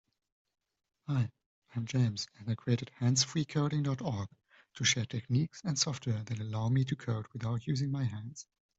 Hi, I'm James, and I created handsfreecoding.org to share techniques and software that allow me to code without using my hands.